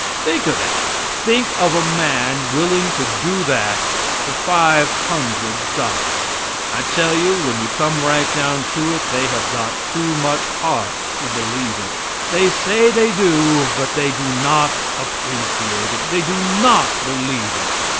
Think of that. Think of a man willing to do that for five hundred dollars! I tell you when you come right down to it they have got too much heart to believe it; they say they do, but they do not appreciate it. They do not believe it.